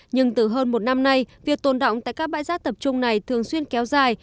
nhưng từ hơn một năm nay việc tồn động tại các bãi rác tập trung này thường xuyên kéo dài